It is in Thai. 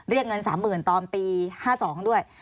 เรียกเงินสามหมื่นตอนปี๕๒ด้วย